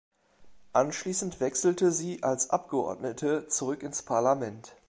Anschließend wechselte sie als Abgeordnete zurück ins Parlament.